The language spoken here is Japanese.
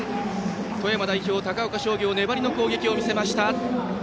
富山代表、高岡商業粘りの攻撃を見せました。